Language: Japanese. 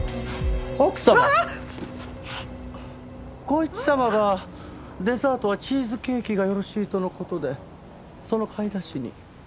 孝一様がデザートはチーズケーキがよろしいとの事でその買い出しに。